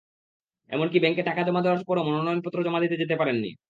এমনকি ব্যাংকে টাকা জমা দেওয়ার পরও মনোনয়নপত্র জমা দিতে যেতে পারেননি।